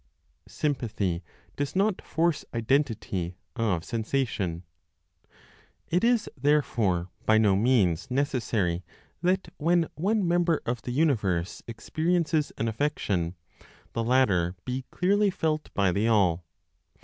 SYMPATHY DOES NOT FORCE IDENTITY OF SENSATION. It is therefore by no means necessary that when one member of the universe experiences an affection, the latter be clearly felt by the All.